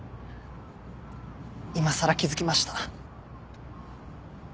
今さら気づきました。